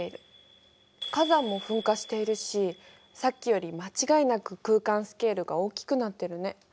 火山も噴火しているしさっきより間違いなく空間スケールが大きくなってるね。